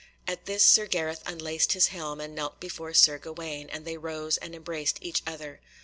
At this Sir Gareth unlaced his helm and knelt before Sir Gawaine, and they rose and embraced each other.